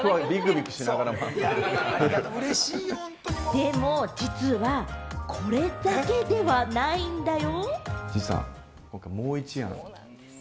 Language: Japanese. でも実は、これだけではないんだよ。